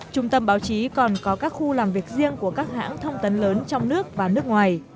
trung tâm báo chí còn có các khu làm việc riêng của các hãng thông tấn lớn trong nước và nước ngoài